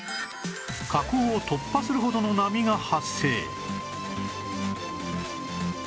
河口を突破するほどの波が発生